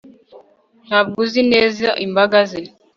Ntabwo uzi neza imbaga ze